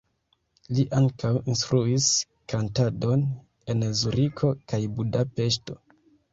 Li ankaŭ instruis kantadon en Zuriko kaj Budapeŝto.